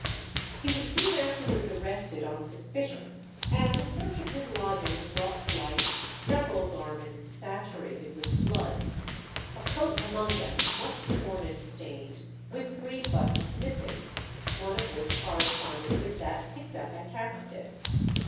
He was soon afterwards arrested on suspicion, and a search of his lodgings brought to light several garments saturated with blood; a coat among them much torn and stained, with three buttons missing, one of which corresponded with that picked up at Hampstead.